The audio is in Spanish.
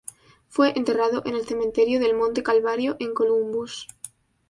Fue enterrado en el cementerio del Monte Calvario en Columbus.